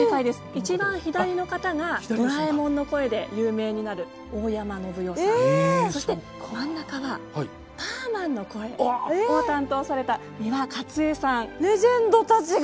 一番左の方が「ドラえもん」の声で有名になるそして真ん中はパーマンの声を担当されたレジェンドたちが！